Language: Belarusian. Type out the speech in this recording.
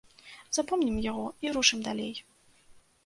Запомнім яго і рушым далей.